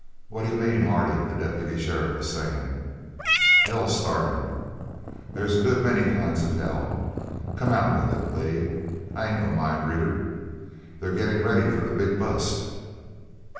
"What d'you mean, Hardy?" the deputy sheriff was saying. "Hell's startin'!" "There's a good many kinds of hell. Come out with it, Lee. I ain't no mind reader." "They're gettin' ready for the big bust!"